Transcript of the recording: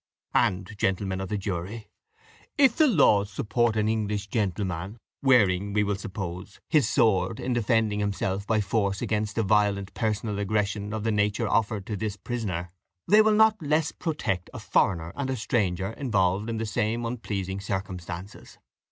And, gentlemen of the jury, if the laws would support an English gentleman, wearing, we will suppose, his sword, in defending himself by force against a violent personal aggression of the nature offered to this prisoner, they will not less protect a foreigner and a stranger, involved in the same unpleasing circumstances.